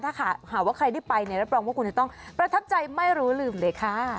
ถ้าหากว่าใครได้ไปเนี่ยรับรองว่าคุณจะต้องประทับใจไม่รู้ลืมเลยค่ะ